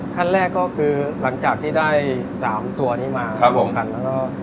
ขั้นแรกก็คือหลังจากที่ได้๓ตัวนี้มาขัง